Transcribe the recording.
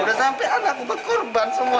udah sampe anakku berkorban semua